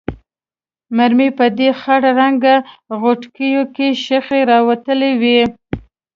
مرمۍ په دې خړ رنګه غوټکیو کې شخې راوتلې وې.